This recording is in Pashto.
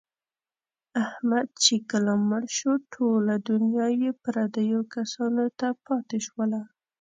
احمد چې کله مړ شو، ټوله دنیا یې پردیو کسانو ته پاتې شوله.